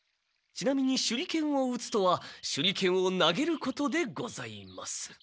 ちなみに『手裏剣を打つ』とは手裏剣を投げることでございます」。